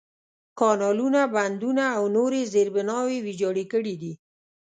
کانالونه، بندونه، او نورې زېربناوې ویجاړې کړي دي.